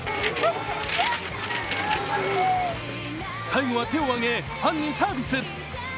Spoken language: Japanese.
最後は手を上げ、ファンにサービス。